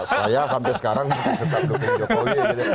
saya sampai sekarang tetap mendukung jokowi